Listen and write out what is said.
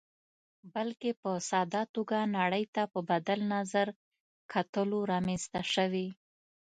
بلکې په ساده توګه نړۍ ته په بدل نظر کتلو رامنځته شوې.